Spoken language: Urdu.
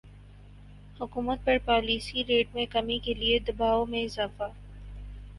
حکومت پر پالیسی ریٹ میں کمی کے لیے دبائو میں اضافہ